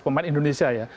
pemain indonesia ya